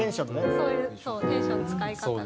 そうテンションの使い方が。